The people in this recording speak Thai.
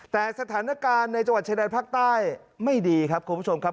แต่สถานการณ์ในจังหวัดเชนดรภักด์ใต้ไม่ดีครับคนผู้ชมครับ